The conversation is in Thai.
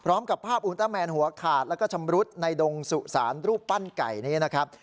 พร้อมกับภาพอุณต้าแมนหัวขาดแล้วก็ชำรุดในดงสุสานรูปปั้นไก่นี้นะครับ